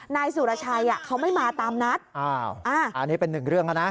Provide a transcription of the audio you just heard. นายสุรชัยเขาไม่มาตามนัดอ้าวอันนี้เป็นหนึ่งเรื่องแล้วนะ